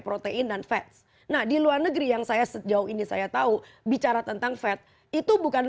protein dan fats nah di luar negeri yang saya sejauh ini saya tahu bicara tentang fed itu bukan